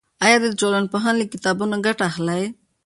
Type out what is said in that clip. آیا ته د ټولنپوهنې له کتابونو ګټه اخلی؟